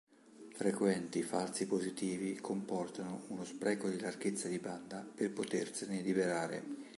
Frequenti falsi positivi comportano uno spreco di larghezza di banda per potersene liberare.